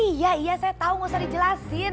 iya iya saya tau gak usah dijelasin